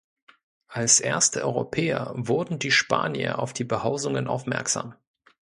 Als erste Europäer wurden die Spanier auf die Behausungen aufmerksam.